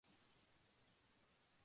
El empresario del juego se lo dio.